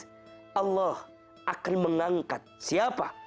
tapi allah akan mengangkat siapa